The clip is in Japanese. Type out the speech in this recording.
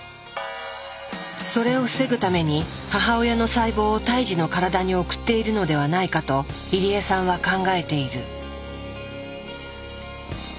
それを防ぐために母親の細胞を胎児の体に送っているのではないかと入江さんは考えている。